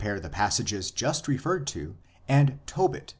the passages just referred to and Tobit i.